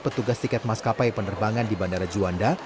petugas tiket maskapai penerbangan di bandara juanda